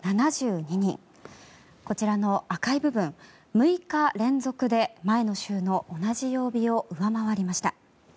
こちらの赤い部分６日連続で前の週の同じ曜日を上回りました。